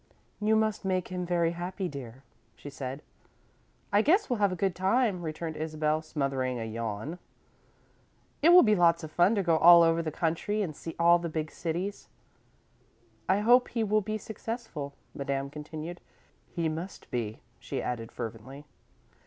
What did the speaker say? "You must make him very happy, dear," she said. "I guess we'll have a good time," returned Isabel, smothering a yawn. "It will be lots of fun to go all over the country and see all the big cities." "I hope he will be successful," Madame continued. "He must be," she added, fervently.